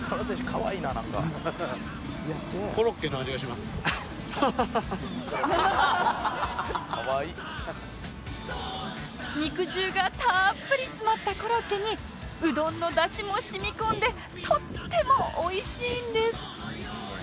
「」「かわいい」肉汁がたっぷり詰まったコロッケにうどんのダシも染み込んでとっても美味しいんです